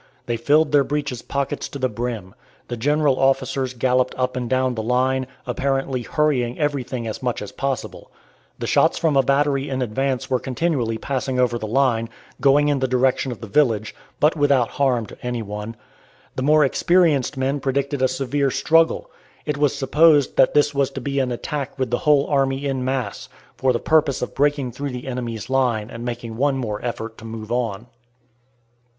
They filled their breeches' pockets to the brim. The general officers galloped up and down the line, apparently hurrying everything as much as possible. The shots from a battery in advance were continually passing over the line, going in the direction of the village, but without harm to any one. The more experienced men predicted a severe struggle. It was supposed that this was to be an attack with the whole army in mass, for the purpose of breaking through the enemy's line and making one more effort to move on.